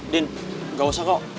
din enggak usah kok